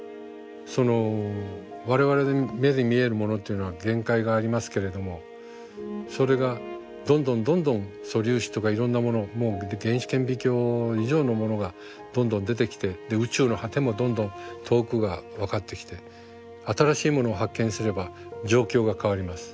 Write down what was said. その我々に目に見えるものっていうのは限界がありますけれどもそれがどんどんどんどん素粒子とかいろんなものをもう原子顕微鏡以上のものがどんどん出てきて宇宙の果てもどんどん遠くが分かってきて新しいものを発見すれば状況が変わります。